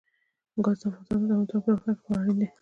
ګاز د افغانستان د دوامداره پرمختګ لپاره اړین دي.